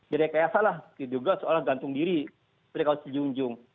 jadi kayak salah juga soalnya gantung diri prikaut sejunjung